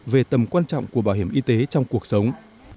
về tầm quan trọng của bảo hiểm y tế trong cuộc sống